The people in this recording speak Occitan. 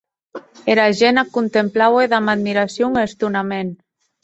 Era gent ac contemplaue damb admiracion e estonament.